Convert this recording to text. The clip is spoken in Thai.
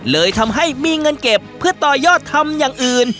เลยทำให้มีเงินเก็บเพื่อต่อยอดทำอย่างอื่น